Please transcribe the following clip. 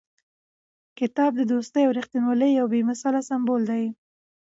کتاب د دوستۍ او رښتینولۍ یو بې مثاله سمبول دی.